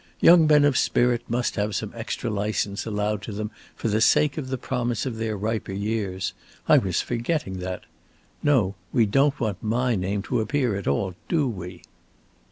Young men of spirit must have some extra license allowed to them for the sake of the promise of their riper years. I was forgetting that. No, we don't want my name to appear at all, do we?"